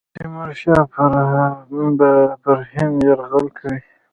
تیمورشاه به پر هند یرغل کوي.